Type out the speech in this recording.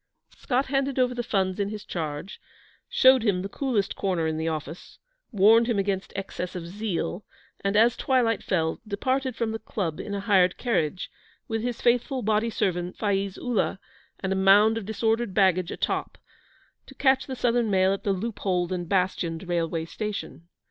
Scott handed over the funds in his charge, showed him the coolest corner in the office, warned him against excess of zeal, and, as twilight fell, departed from the Club in a hired carriage, with his faithful body servant, Faiz Ullah, and a mound of disordered baggage atop, to catch the Southern Mail at the loopholed and bastioned railway station.